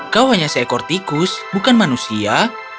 kau hanya seekor tikus bukan manusia